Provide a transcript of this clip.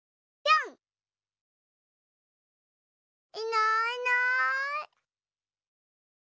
いないいない。